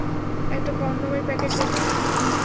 একটা কনডমের প্যাকেট দে তো।